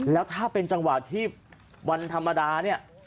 แล้วถ้าเป็นจังหวะที่วันธรรมดาเนี่ย